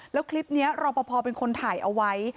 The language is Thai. แล้วคลิปนี้รอปภเป็นคนถ่ายเอาไว้